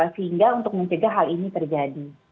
sehingga untuk mencegah hal ini terjadi